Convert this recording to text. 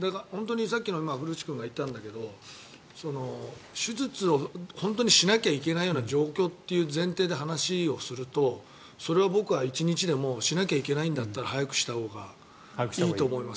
さっきの古内君が言ったんだけど手術を本当にしなきゃいけないような状況という前提で話をするとそれは僕は、１日でもしなきゃいけないんだったら早くしたほうがいいと思います。